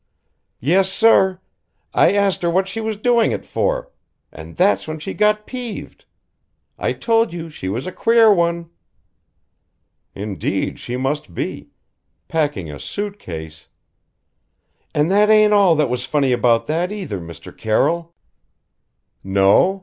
"Yes, sir. I asked her what was she doing it for and that's when she got peeved. I told you she was a queer one." "Indeed she must be. Packing a suit case " "And that ain't all that was funny about that, either, Mr. Carroll." "No?